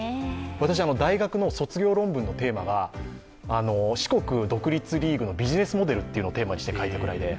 私は大学の卒業論文のテーマが四国独立リーグのビジネスモデルをテーマにして書いたぐらいで。